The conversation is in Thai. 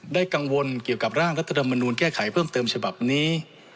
กังวลเกี่ยวกับร่างรัฐธรรมนูลแก้ไขเพิ่มเติมฉบับนี้